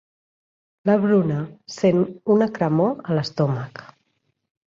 La Bruna sent una cremor a l'estómac.